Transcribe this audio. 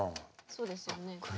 そうですよね車。